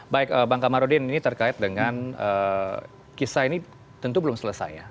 baik bang kamarudin ini terkait dengan kisah ini tentu belum selesai ya